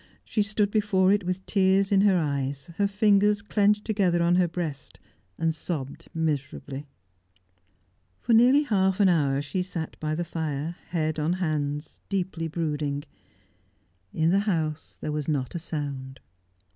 She stood before it with tears in her eyes, her fingers clenched together on her breast, and sobbed miserably. For nearly half an hour she sat by the fire, head on hands, deeply brooding. In the house there was not a sound.